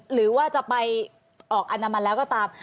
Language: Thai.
หรือว่าจะไปออกอนามันแล้วก็ตาม